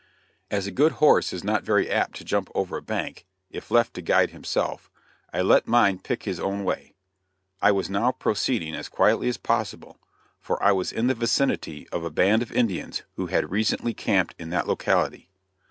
As a good horse is not very apt to jump over a bank, if left to guide himself, I let mine pick his own way. I was now proceeding as quietly as possible, for I was in the vicinity of a band of Indians who had recently camped in that locality.